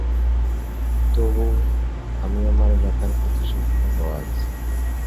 তবুও, আমি আমার ব্যাথার প্রতিশোধ নেব আজ।